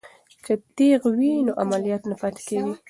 که تیغ وي نو عملیات نه پاتې کیږي.